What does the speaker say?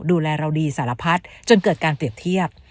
ดูแลเราดีสารพัดจนเกิดการเปรียบเทียบ